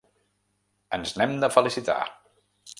Ens n'hem de felicitar!